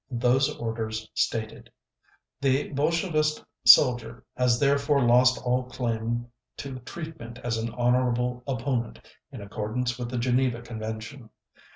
Those orders stated: "The Bolshevist soldier has therefore lost all claim to treatment as an honorable opponent, in accordance with the Geneva Convention